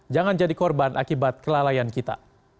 jangan jadi korban akibat kelalaian kita